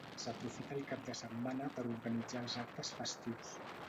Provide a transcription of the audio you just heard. S'aprofita el cap de setmana per organitzar els actes festius.